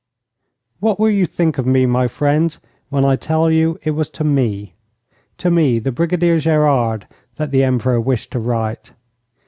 What will you think of me, my friends, when I tell you it was to me to me, the Brigadier Gerard that the Emperor wished to write?